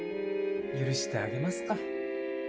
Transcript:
許してあげますか。